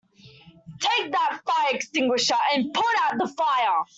Take that fire extinguisher and put out the fire!